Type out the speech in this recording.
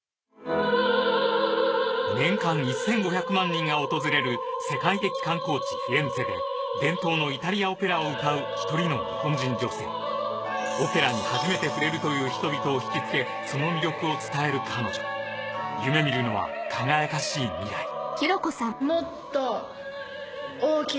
年間１５００万人が訪れる世界的観光地フィレンツェで伝統のイタリアオペラを歌う１人の日本人女性オペラに初めて触れるという人々を惹きつけその魅力を伝える彼女夢見るのは輝かしい未来